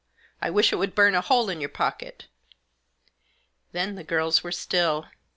I wish it would burn a hole in your pocket I " Then the girls were still.